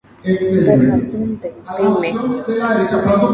mbohapýnte peime